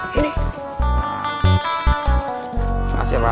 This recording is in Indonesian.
terima kasih pak